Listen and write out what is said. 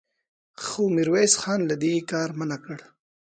خو ميرويس خان له دې کاره منع کړ.